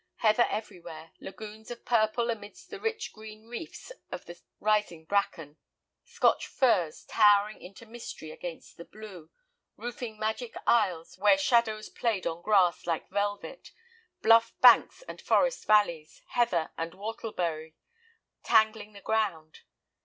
Heather everywhere, lagoons of purple amid the rich green reefs of the rising bracken. Scotch firs towering into mystery against the blue, roofing magic aisles where shadows played on grass like velvet, bluff banks and forest valleys, heather and whortleberry tangling the ground.